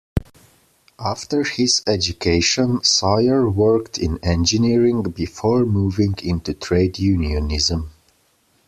After his education, Sawyer worked in engineering, before moving into trade unionism.